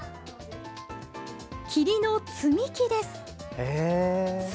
桐の積み木です。